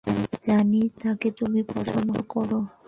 জানি তাকে তুমি পছন্দ করো।